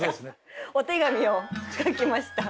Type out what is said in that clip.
お手紙を書きました。